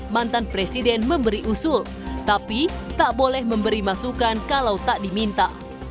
mantan presiden memberi usul tapi tak boleh memberi masukan kalau tak diminta